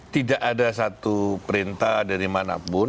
tidak ada satu perintah dari manapun